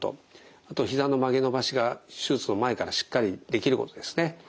あとひざの曲げ伸ばしが手術の前からしっかりできることですね。